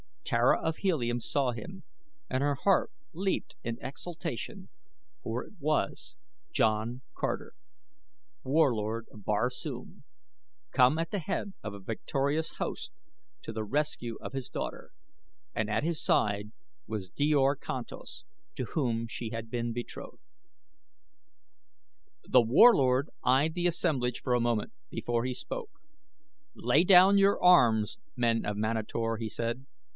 Tara of Helium saw him and her heart leaped in exultation, for it was John Carter, Warlord of Barsoom, come at the head of a victorious host to the rescue of his daughter, and at his side was Djor Kantos to whom she had been betrothed. The Warlord eyed the assemblage for a moment before he spoke. "Lay down your arms, men of Manator," he said.